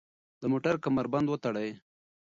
د موټر کمربند وتړئ.